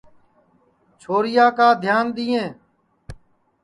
چھورِیا کا دھِیان دِؔئیں